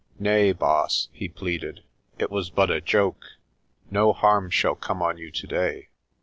"Nay, Baas," he pleaded, "it was but a joke. No harm shall come on you today.